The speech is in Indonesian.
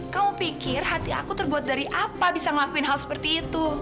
kau pikir hati aku terbuat dari apa bisa ngelakuin hal seperti itu